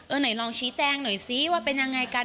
ไหนลองชี้แจงหน่อยซิว่าเป็นยังไงกัน